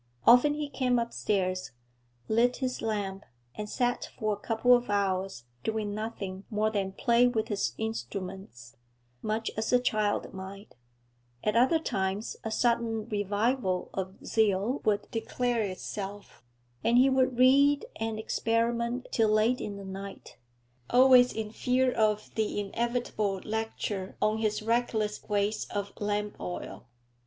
Often he came upstairs, lit his lamp, and sat for a couple of hours doing nothing more than play with his instruments, much as a child might; at other times a sudden revival of zeal would declare itself, and he would read and experiment till late in the night, always in fear of the inevitable lecture on his reckless waste of lamp oil.